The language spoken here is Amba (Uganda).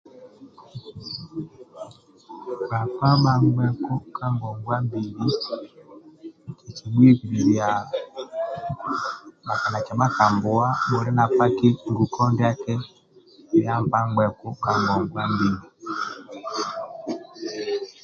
Bhakpa bhangbheku ka ngongwa mbili kikibhuibililiia bhakadhakia bhakambuwa bhuli na paki nguko ndiaki bhia nkpa ngeku ka ngongwa mbili